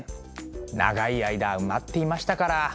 長い間埋まっていましたから。